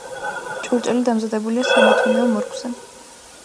ჭურჭელი დამზადებულია სამეთუნეო მორგვზე.